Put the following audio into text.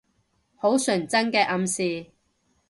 好純真嘅暗示